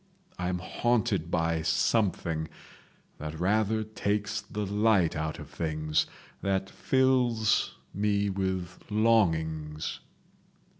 I am haunted by something—that rather takes the light out of things, that fills me with longings